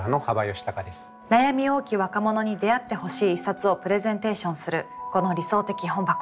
悩み多き若者に出会ってほしい一冊をプレゼンテーションするこの「理想的本箱」。